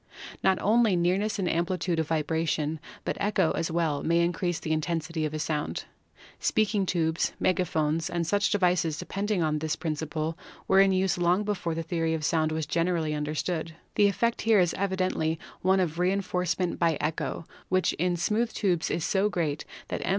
Not only nearness and amplitude of vibration, but echo as well may increase the intensity of a sound. Speaking tubes, megaphones and such devices depending upon this SOUND 121 principle were in use long before the theory of sound was generally understood. The effect here is evidently one of reinforcement by echo, which in smooth tubes is so great that M.